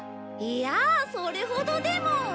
いやあそれほどでも。